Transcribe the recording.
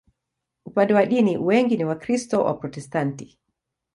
Upande wa dini, wengi ni Wakristo Waprotestanti.